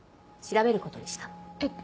えっ？